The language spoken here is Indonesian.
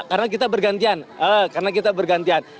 karena kita bergantian karena kita bergantian